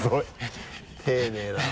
丁寧だな。